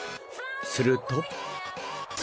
すると